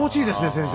先生